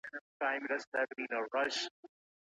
ولي مدام هڅاند د وړ کس په پرتله برخلیک بدلوي؟